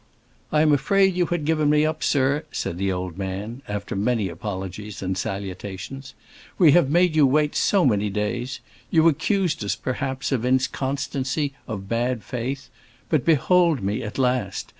"I am afraid you had given me up, sir," said the old man, after many apologies and salutations. "We have made you wait so many days. You accused us, perhaps, of inconstancy, of bad faith. But behold me at last!